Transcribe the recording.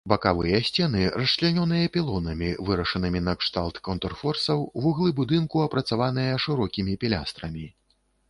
Бакавыя сцены расчлянёныя пілонамі, вырашанымі накшталт контрфорсаў, вуглы будынку апрацаваныя шырокімі пілястрамі.